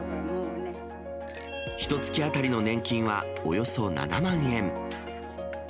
ひとつき当たりの年金はおよそ７万円。